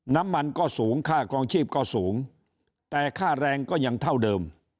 น้ำมันก็สูงค่าครองชีพก็สูงแต่ค่าแรงก็ยังเท่าเดิม